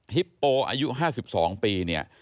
ฮิปโปอายุ๕๒ปี